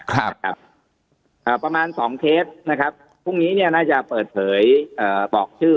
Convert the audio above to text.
ครับประมาณสองเคสนะครับพรุ่งนี้เนี่ยน่าจะเปิดเผยบอกชื่อ